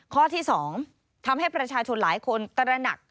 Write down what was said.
ข้อที่๒ทำให้ประชาชนหลายคนตระหนัก